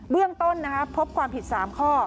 เบื้องต้นนะครับพบความผิด๓ข้อ